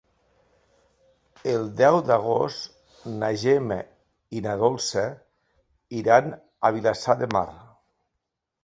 El deu d'agost na Gemma i na Dolça iran a Vilassar de Mar.